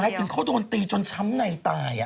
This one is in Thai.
ไม่ไงทุกครั้งเขาโดนตีจนช้ำในตายอะ